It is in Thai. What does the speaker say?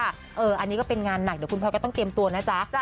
อันนี้ก็เป็นงานหนักเดี๋ยวคุณพลอยก็ต้องเตรียมตัวนะจ๊ะ